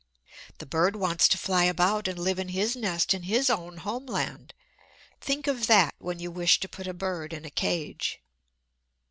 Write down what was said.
The bird wants to fly about and live in his nest in his own home land. Think of that when you wish to put a bird in a cage.